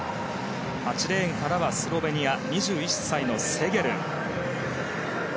８レーンからはスロベニア２１歳のセゲル。